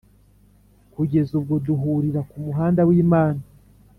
kugeza ubwo duhurira kumuhanda wimana,